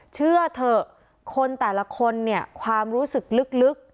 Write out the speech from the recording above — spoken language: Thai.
เชื่อเถอะคนแต่ละคนเนี่ยความรู้สึกลึก